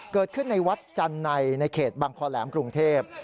เกิดขึ้นในวัดจันทร์ในในเขตบังคอแหลมกรุงเทพ